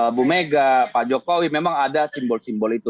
ibu mega pak jokowi memang ada simbol simbol itu